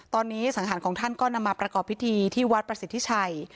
ตอนนี้สังหารของท่านก็นำมาประกอบพิธีที่วัดประสิทธิชัย